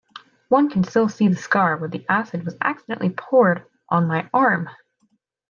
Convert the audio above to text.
One can still see the scar where the acid was accidentally poured on my arm.